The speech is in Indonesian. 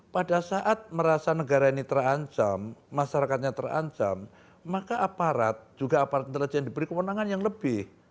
pada saat merasa negara ini terancam masyarakatnya terancam maka aparat juga aparat intelijen diberi kewenangan yang lebih